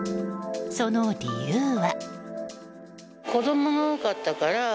その理由は。